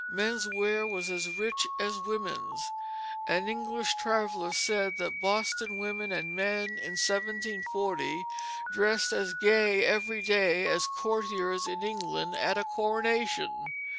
Men's wear was as rich as women's. An English traveller said that Boston women and men in 1740 dressed as gay every day as courtiers in England at a coronation.